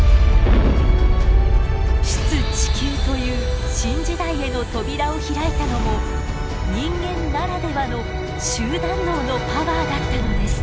出・地球という新時代への扉を開いたのも人間ならではの集団脳のパワーだったのです。